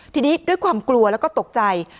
ทีนี้ด้วยความกลัวแล้วก็ตกใจ